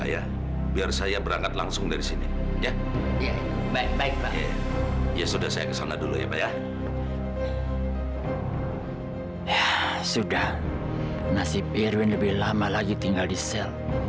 ya sudah nasib irwin lebih lama lagi tinggal di sel